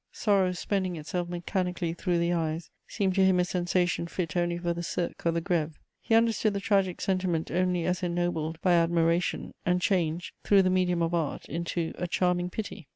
Sorrow spending itself mechanically through the eyes seemed to him a sensation fit only for the Cirque or the Grève; he understood the tragic sentiment only as ennobled by admiration and changed, through the medium of art, into "a charming pity."